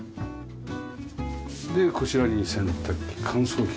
でこちらに洗濯機乾燥機があって。